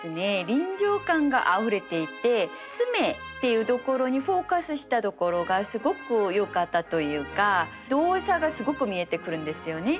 臨場感があふれていて爪っていうところにフォーカスしたところがすごくよかったというか動作がすごく見えてくるんですよね。